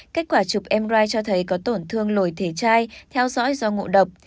kết quả chụp mri cho thấy có tổn thương lồi thể chai theo dõi do ngộ độc